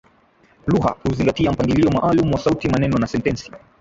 Lugha huzingatia mpangilio maalum wa sauti, maneno na sentensi.